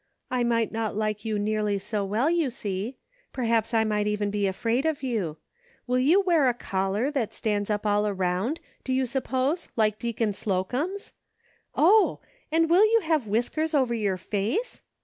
" I might not like you nearly so well, you see. Perhaps I might even be afraid of you. Will you wear a collar that stands up all around, do you suppose, like Deacon Slo cumb's ? Oh ! and will you have whiskers over your face